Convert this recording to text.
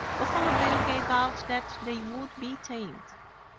Buffalo Bill gave out that they would be tamed.